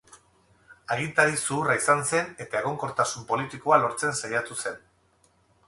Agintari zuhurra izan zen eta egonkortasun politikoa lortzen saiatu zen.